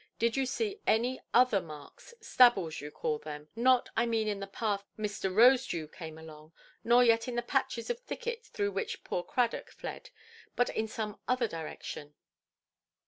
Did you see any other marks, stabbles you call them, not, I mean, in the path Mr. Rosedew came along, nor yet in the patches of thicket through which poor Cradock fled, but in some other direction"?